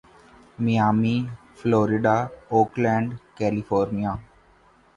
Miami Florida Oakland California